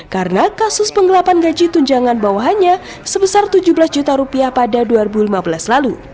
karena kasus penggelapan gaji tunjangan bawahannya sebesar tujuh belas juta rupiah pada dua ribu lima belas lalu